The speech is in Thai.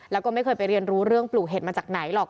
แล้วก็ไม่เคยไปเรียนรู้เรื่องปลูกเห็ดมาจากไหนหรอก